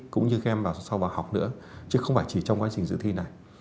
cũng như các em vào sau vào học nữa chứ không phải chỉ trong quá trình dự thi này